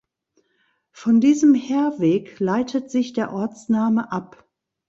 Von diesem Heerweg leitet sich der Ortsname ab.